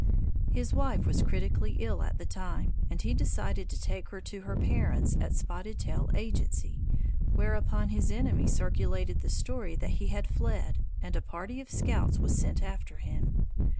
His wife was critically ill at the time, and he decided to take her to her parents at Spotted Tail agency, whereupon his enemies circulated the story that he had fled, and a party of scouts was sent after him.